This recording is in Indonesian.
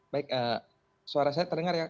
baik suara saya terdengar ya